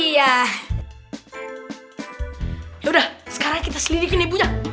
yaudah sekarang kita selidikin ibunya